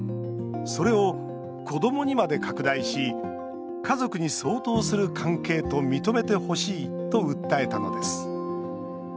それを、子どもにまで拡大し家族に相当する関係と認めてほしいと訴えたのです。